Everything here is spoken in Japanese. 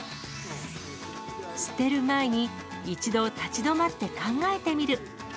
捨てる前に、一度立ち止まって考えてみる。